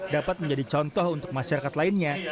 dapat menjadi contoh untuk masyarakat lainnya